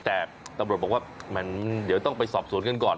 แต่ตำรวจบอกว่ามันเดี๋ยวต้องไปสอบสวนกันก่อน